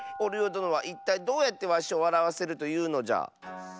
どのはいったいどうやってわしをわらわせるというのじゃ？